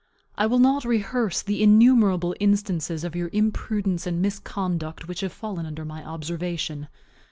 I will not rehearse the innumerable instances of your imprudence and misconduct which have fallen under my observation.